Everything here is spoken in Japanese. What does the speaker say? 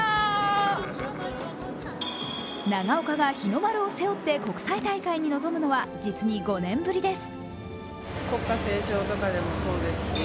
長岡が日の丸を背負って国際大会に臨むのは実に５年ぶりです。